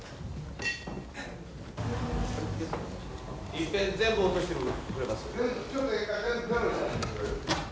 いっぺん全部落としてくれます？